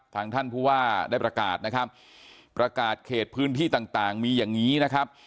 ท่านผู้ว่าได้ประกาศนะครับประกาศเขตพื้นที่ต่างมีอย่างนี้นะครับ